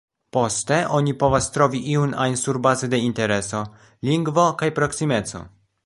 Poste, oni povas trovi iun ajn surbaze de intereso, lingvo kaj proksimeco.